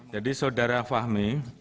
jadi saudara fahmi